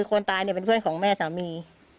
คนตายเนี่ยเป็นเพื่อนของแม่สามี